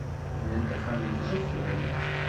Bnant axxam deg Uzeffun?